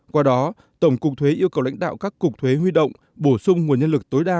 qua đó tổng cục thuế yêu cầu lãnh đạo các cục thuế huy động bổ sung nguồn nhân lực tối đa